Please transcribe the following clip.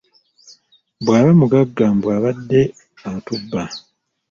Bwaba mugagga mbu abadde atubba.